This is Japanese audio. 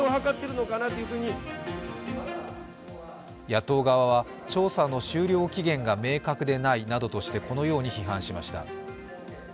野党側は、調査の終了期限が明確でないなどとしてこのように批判しました。